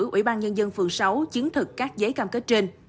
ủy ban nhân dân phường sáu chứng thực các giấy cam kết trên